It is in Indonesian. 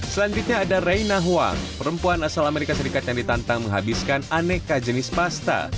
selanjutnya ada raina huang perempuan asal amerika serikat yang ditantang menghabiskan aneka jenis pasta